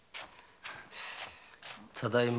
ただいま。